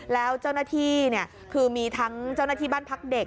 แล้วเจ้าหน้าที่คือมีทั้งเจ้าหน้าที่บ้านพักเด็ก